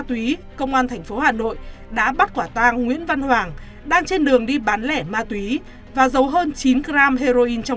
túy đã bắt quả tàng nguyễn văn hoàng đang trên đường đi bán lẻ ma túy và giấu hơn chín gram heroin trong